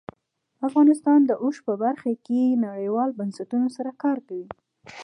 افغانستان د اوښ په برخه کې نړیوالو بنسټونو سره کار کوي.